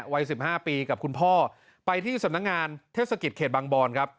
วัย๑๕ปีกับคุณพ่อไปที่สำนักงานเทศกิจเขตบางบอนครับ